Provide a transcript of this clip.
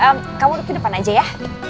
ehm kamu duduk di depan aja ya